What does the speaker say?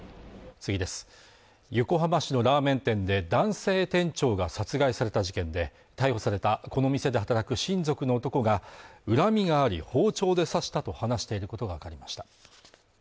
横浜市のラーメン店で男性店長が殺害された事件で逮捕されたこの店で働く親族の男が恨みがあり包丁で刺したと話していることが分かりました